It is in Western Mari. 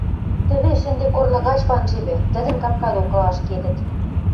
Тӹвеш, ӹнде корны гач ванжевӹ, тӹдӹн капка докыла ашкедӹт.